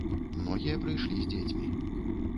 Многія прыйшлі з дзецьмі.